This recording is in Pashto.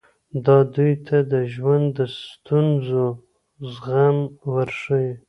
دا دوی ته د ژوند د ستونزو زغم ورښيي.